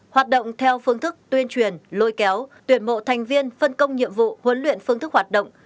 hoạt động theo phương thức tuyên truyền lôi kéo tuyển mộ thành viên phân công nhiệm vụ huấn luyện phương thức hoạt động